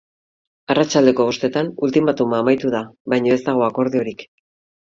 Arratsaldeko bostetan ultimatuma amaitu da, baina ez dago akordiorik.